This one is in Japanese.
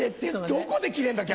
どこで切れるんだ？